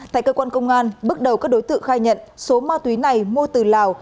tại cơ quan công an bước đầu các đối tượng khai nhận số ma túy này mua từ lào